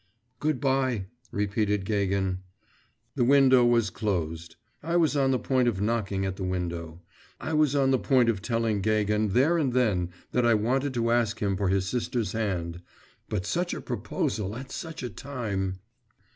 'Good bye;' repeated Gagin. The window was closed. I was on the point of knocking at the window. I was on the point of telling Gagin there and then that I wanted to ask him for his sister's hand. But such a proposal at such a time.